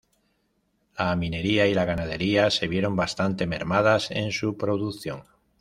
La minería y la ganadería se vieron bastante mermadas en su producción.